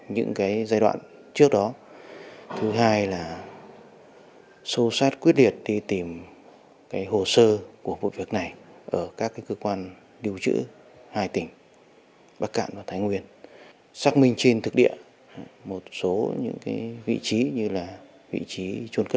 nghĩa trang mới